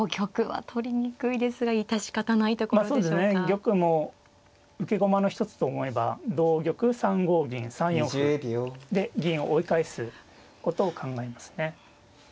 玉も受け駒の一つと思えば同玉３五銀３四歩で銀を追い返すことを考えますね。